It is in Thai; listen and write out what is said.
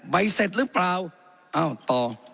เสร็จหรือเปล่าเอ้าต่อ